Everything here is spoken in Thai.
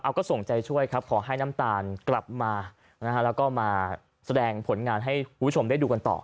เอาก็ส่งใจช่วยครับขอให้น้ำตาลกลับมานะฮะแล้วก็มาแสดงผลงานให้คุณผู้ชมได้ดูกันต่อ